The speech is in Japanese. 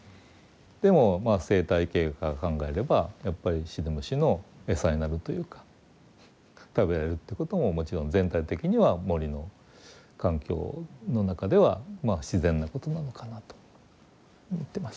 でもまあ生態系から考えればやっぱりシデムシの餌になるというか食べられるってことももちろん全体的には森の環境の中ではまあ自然なことなのかなと思ってます。